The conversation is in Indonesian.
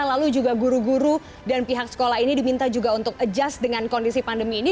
lalu juga guru guru dan pihak sekolah ini diminta juga untuk adjust dengan kondisi pandemi ini